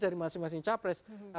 dari masing masing capres